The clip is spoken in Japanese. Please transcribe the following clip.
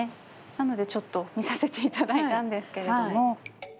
なので、ちょっと見させていただいたんですけれども。